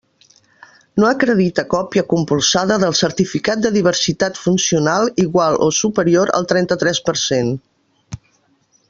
No acredita còpia compulsada del certificat de diversitat funcional igual o superior al trenta-tres per cent.